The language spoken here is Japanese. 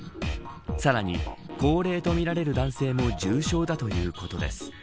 さらに、高齢とみられる男性も重傷だということです。